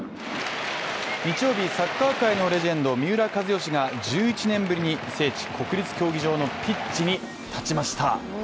日曜日、サッカー界のレジェンド三浦知良が１１年ぶりに聖地・国立競技場のピッチに立ちました。